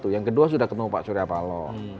yang kedua sudah ketemu pak suryapalo